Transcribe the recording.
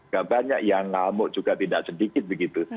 gak banyak yang ngamuk juga tidak sedikit begitu